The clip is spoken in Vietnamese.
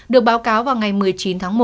được báo cáo vào ngày một mươi chín tháng một